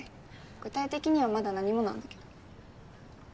具体的にはまだ何もなんだけど。